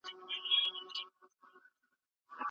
قناعت انسان ته رښتینې پاچاهي بښي.